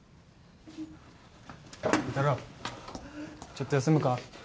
ちょっと休むか？